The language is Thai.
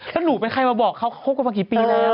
ต้องหลุดไปใครว่าบอกเขาก็พบกันประมาณนั้น